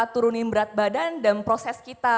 turunin berat badan dan proses kita